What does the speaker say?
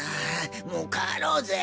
もう帰ろうぜ。